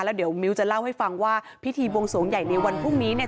เดี๋ยวมิ้วจะเล่าให้ฟังว่าพิธีบวงสวงใหญ่ในวันพรุ่งนี้เนี่ย